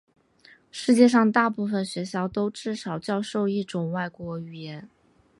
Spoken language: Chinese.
世界上大部分学校都至少教授一种外国语言。